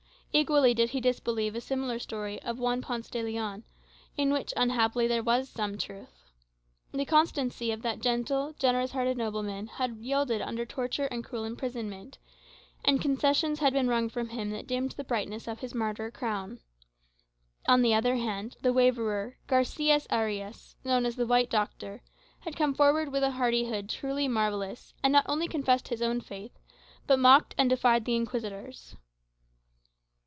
Equally did he disbelieve a similar story of Don Juan Ponce de Leon, in which, unhappily, there was some truth. The constancy of that gentle, generous hearted nobleman had yielded under torture and cruel imprisonment, and concessions had been wrung from him that dimmed the brightness of his martyr crown. On the other hand, the waverer, Garçias Ariâs, known as the "White Doctor," had come forward with a hardihood truly marvellous, and not only confessed his own faith, but mocked and defied the Inquisitors.